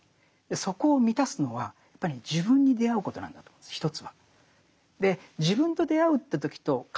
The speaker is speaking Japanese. そこを満たすのはやっぱり自分に出会うことなんだと思うんです一つは。